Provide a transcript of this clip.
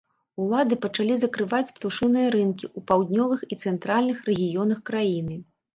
Улады пачалі закрываць птушыныя рынкі ў паўднёвых і цэнтральных рэгіёнах краіны.